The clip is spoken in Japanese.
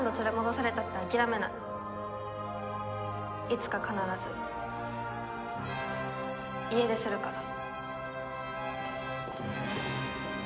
いつか必ず家出するから。